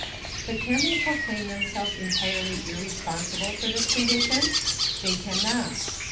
But can they proclaim themselves entirely irresponsible for this condition? They can not.